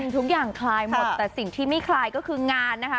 ทุกอย่างคลายหมดแต่สิ่งที่ไม่คลายก็คืองานนะคะ